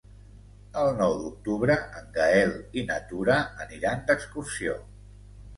El nou d'octubre en Gaël i na Tura aniran d'excursió.